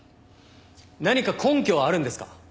何か根拠はあるんですか？